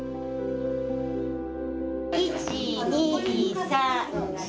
１２３４！